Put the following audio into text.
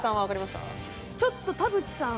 ちょっと田渕さん？